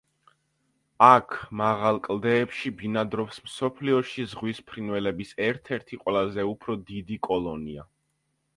აქ მაღალ კლდეებში ბინადრობს მსოფლიოში ზღვის ფრინველების ერთ-ერთი ყველაზე უფრო დიდი კოლონია.